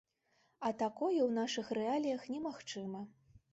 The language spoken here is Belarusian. А такое ў нашых рэаліях немагчыма.